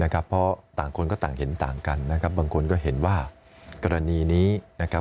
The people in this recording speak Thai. เพราะต่างคนก็ต่างเห็นต่างกันนะครับบางคนก็เห็นว่ากรณีนี้นะครับ